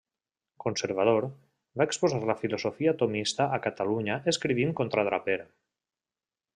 Conservador, va exposar la filosofia tomista a Catalunya escrivint contra Draper.